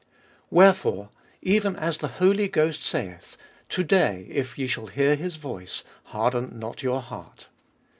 Wherefore, even as the Holy Ghost saith, To day if ye shall hear His voice, harden not your heart.